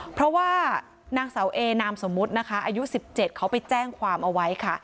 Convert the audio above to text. เพราะว่านางเสาเอนามสมมุตินะคะอายุ๑๗เขาไปแจ้งความเอาไว้ค่ะ